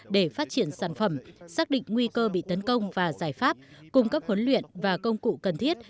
để phát triển sản phẩm xác định nguy cơ bị tấn công và giải pháp cung cấp huấn luyện và công cụ cần thiết